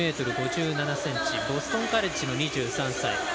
１ｍ５７ｃｍボストンカレッジの２３歳。